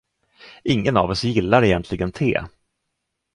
Ingen av oss gillar egentligen te.